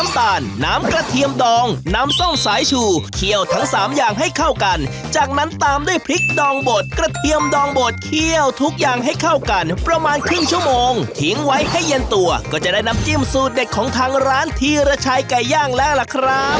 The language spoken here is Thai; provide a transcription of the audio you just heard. พรรมาณครึ่งชั่วโมงถิงไว้ให้เย็นตัวก็จะได้น้ำจิ้มสูตรเด็ดของทางร้านที่รัชญ์ไก่ย่างแล้วแหละครับ